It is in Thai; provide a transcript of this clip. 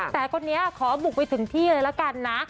แต่คนนี้ขอบุกไปถึงที่เลยละกันนะ